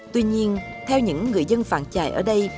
tuy nhiên theo những người dân phàn chài ở đây